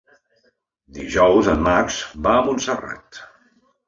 Dijous en Max va a Montserrat.